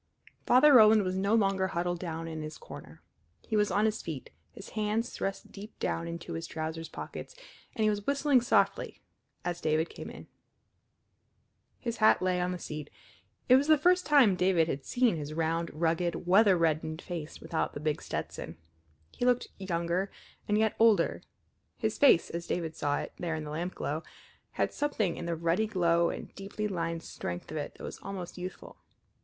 Father Roland was no longer huddled down in his corner. He was on his feet, his hands thrust deep down into his trousers pockets, and he was whistling softly as David came in. His hat lay on the seat. It was the first time David had seen his round, rugged, weather reddened face without the big Stetson. He looked younger and yet older; his face, as David saw it there in the lampglow, had something in the ruddy glow and deeply lined strength of it that was almost youthful.